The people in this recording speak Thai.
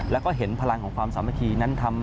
แล้วก็เห็นพลังของความสามัคคีนั้นทำ